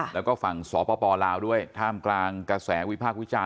แล้วก็ฝั่งสปลาวด้วยท่ามกลางกระแสวิพากษ์วิจารณ